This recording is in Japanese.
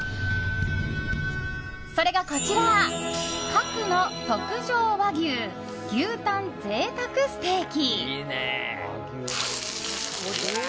それがこちら、閣の特上和牛牛たん贅沢ステーキ。